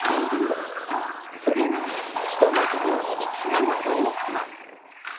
それが一文字名字につながるのか？